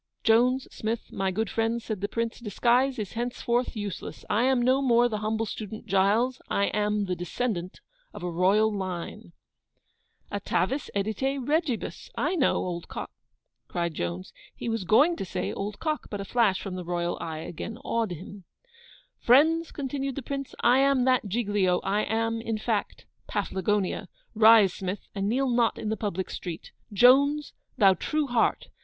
'Jones, Smith, my good friends,' said the PRINCE, 'disguise is henceforth useless; I am no more the humble student Giles, I am the descendant of a royal line.' 'Atavis edite regibus, I know, old co ' cried Jones. He was going to say old cock, but a flash from THE ROYAL EYE again awed him. 'Friends,' continued the Prince, 'I am that Giglio, I am, in fact, Paflagonia. Rise, Smith, and kneel not in the public street. Jones, thou true heart!